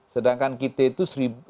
sedangkan kiti itu